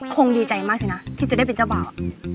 คงดีใจมากสินะที่จะได้เป็นเจ้าบ่าว